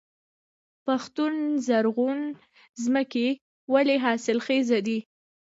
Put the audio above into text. پښتون زرغون ځمکې ولې حاصلخیزه دي؟